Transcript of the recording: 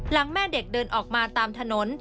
แม่เด็กเดินออกมาตามถนน